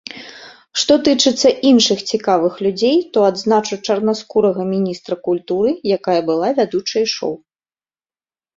Што тычыцца іншых цікавых людзей, то адзначу чарнаскурага міністра культуры, якая была вядучай шоу.